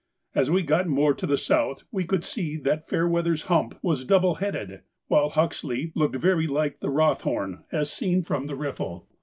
As we got more to the south we could see that Fairweather's 'Hump' was double headed, while 'Huxley' looked very like the Rothhorn as seen from the Riffel.